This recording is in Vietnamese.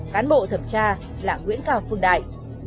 cán bộ thẩm tra là nguyễn cao phương đại